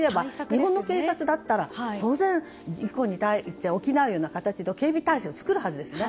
日本の警察だったら当然、事故に対して起きないような形で警備態勢を作るはずですね。